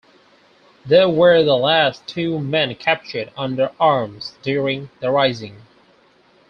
They were the last two men captured under arms during the Rising.